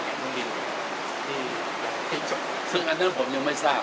ขึ้นตัวหนึ่งไม่